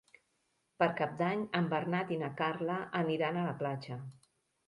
Per Cap d'Any en Bernat i na Carla aniran a la platja.